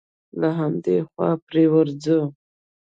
له همدې خوا پرې ورځو.